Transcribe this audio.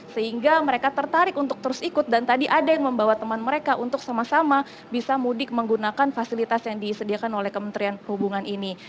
sehingga mereka tertarik untuk terus ikut dan tadi ada yang membawa teman mereka untuk sama sama bisa mudik menggunakan fasilitas yang disediakan oleh kementerian perhubungan ini